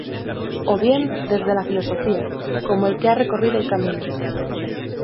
O bien, desde la filosofía, como 'el que ha recorrido el camino'.